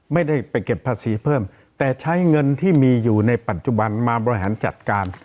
ไม่ได้ไปเก็บภาษีเพิ่มแต่ใช้เงินที่มีอยู่ในปัจจุบันมาบริหารจัดการ